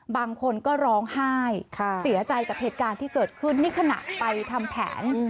บางคนก็ร้องไห้เสียใจกับเหตุการณ์ที่เกิดขึ้นนี่ขณะไปทำแผน